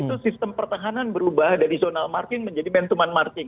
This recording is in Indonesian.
itu sistem pertahanan berubah dari zona marking menjadi mentuman marking